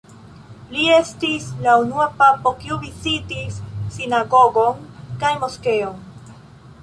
Li estis la unua papo, kiu vizitis sinagogon kaj moskeon.